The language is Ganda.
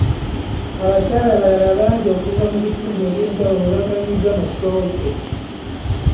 Abakyala abalala bangi okuva mu bitundu eby'enjawulo baganyuddwa mu pulojekiti.